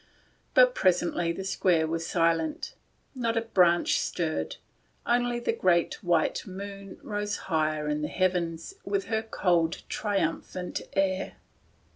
But pres ently the square was silent. Not a branch stirred. Only the great white moon rose higher in the heavens with her cold, triumph ant air.